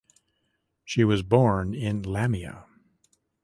She was born in Lamia.